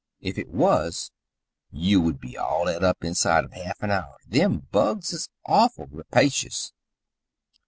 "If it was you would be all eat up inside of half an hour. Them bugs is awful rapacious."